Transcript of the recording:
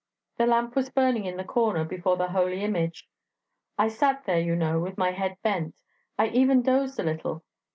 The lamp was burning in the corner before the holy image. I sat there, you know, with my head bent; I even dozed a little.